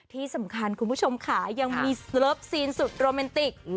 ที่สำคัญคุณผู้ชมค่ะยังมีเซิร์ฟซีนสุดโรแมนติก